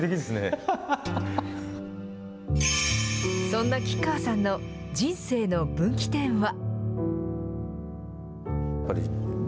そんな吉川さんの人生の分岐点は。